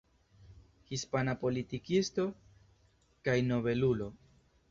Hispana politikisto kaj nobelulo.